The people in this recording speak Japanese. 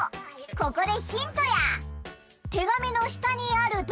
ここでヒントや。